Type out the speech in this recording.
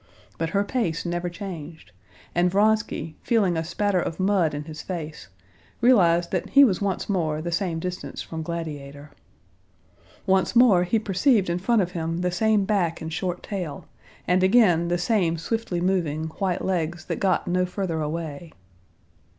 But her pace never changed, and Vronsky, feeling a spatter of mud in his face, realized that he was once more the same distance from Gladiator. Once more he perceived in front of him the same back and short tail, and again the same swiftly moving white legs that got no further away.